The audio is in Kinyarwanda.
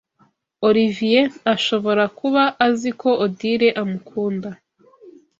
Olivier ashobora kuba azi ko Odile amukunda.